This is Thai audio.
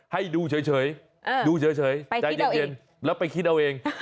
ให้ดูเฉยดูเฉยใจเย็นแล้วไปคิดเอาเอง